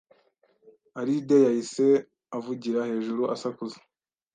Alide yahise avugira hejuru asakuza